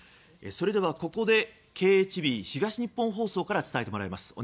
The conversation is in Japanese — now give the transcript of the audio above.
それでは、ここでＫＨＢ東日本放送から伝えてもらいます。